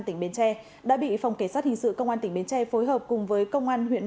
tỉnh bến tre đã bị phòng cảnh sát hình sự công an tỉnh bến tre phối hợp cùng với công an huyện